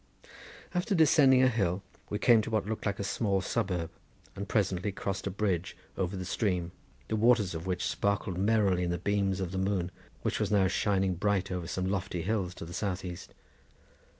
After descending a hill we came to what looked a small suburb, and presently crossed a bridge over the stream, the waters of which sparkled merrily in the beams of the moon which was now shining bright over some lofty hills to the south east.